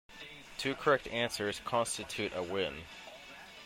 Two correct answers constitute a win.